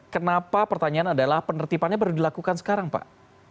kenapa pertanyaan adalah penertipannya baru dilakukan sekarang pak